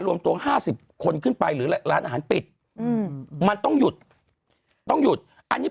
รวมตัวห้าสิบคนขึ้นไปหรือร้านอาหารปิดอืมมันต้องหยุดต้องหยุดอันนี้